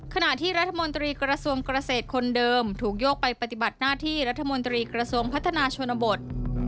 ขณะที่รัฐมนตรีกระทรวงเกษตรคนเดิมถูกโยกไปปฏิบัติหน้าที่รัฐมนตรีกระทรวงพัฒนาชนบท